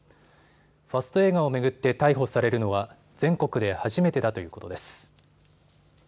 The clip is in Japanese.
ファスト映画を巡って逮捕されるのは全国で初めてだということです。